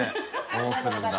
どうするんだ？